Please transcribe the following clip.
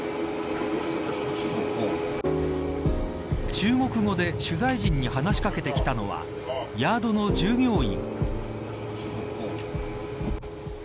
中国語で取材陣に話し掛けてきたのはヤードの従業員。